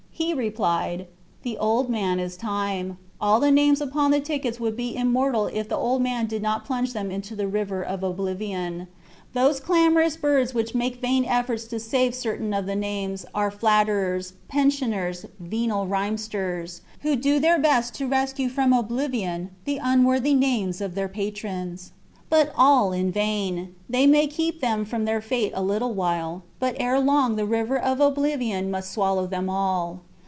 He replied, "The old man is Time. All the names upon the tickets would be immortal if the old man did not plunge them into the river of oblivion. Those clamorous birds which make vain efforts to save certain of the names are flatterers, pensioners, venal rhymesters, who do their best to rescue from oblivion the unworthy names of their patrons; but all in vain; they may keep them from their fate a little while, but ere long the river of oblivion must swallow them all.